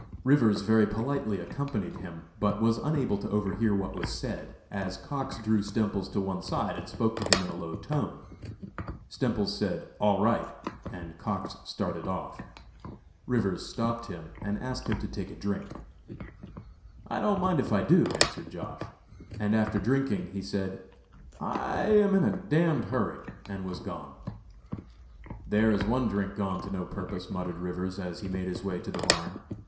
Rivers very politely accompanied him, but was unable to overhear what was said, as Cox drew Stemples to one side and spoke to him in a low tone. Stemples said, "All right!" and Cox started off. Rivers stopped him, and asked him to take a drink. "I don't mind if I do," answered Josh.; and after drinking he said: "I am in a d d hurry," and was gone. "There is one drink gone to no purpose," muttered Rivers, as he made his way to the barn.